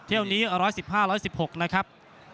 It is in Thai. เที่ยวนี้ร้อยสิบห้าร้อยสิบหกนะครับ